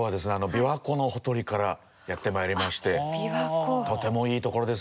琵琶湖のほとりからやってまいりましてとてもいい所ですよ。